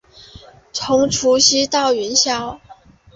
从除夕到元宵节